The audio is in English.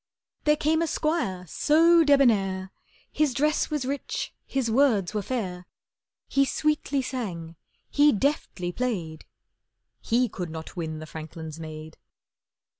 There came a squire so debonair, His dress was rich, his words were fair. He sweetly sang, he deftly played— He could not win the franklin's maid.